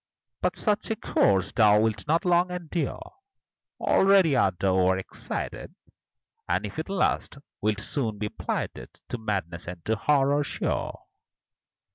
But such a course thou wilt not long endure; Already art thou o'er excited, And, if it last, wilt soon be plighted To madness and to horror, sure.